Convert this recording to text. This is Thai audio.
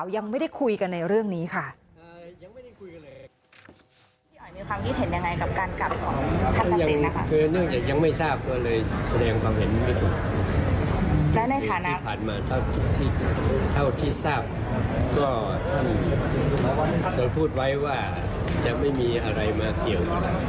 ยังไม่ได้คุยกันเลย